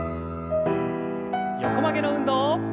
横曲げの運動。